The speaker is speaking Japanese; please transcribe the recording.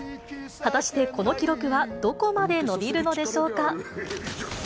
果たしてこの記録はどこまで伸びるのでしょうか。